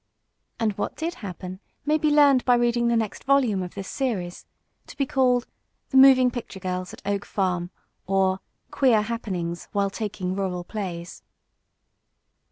And what did happen may be learned by reading the next volume of this series, to be called: "The Moving Picture Girls at Oak Farm; Or, Queer Happenings While Taking Rural Plays."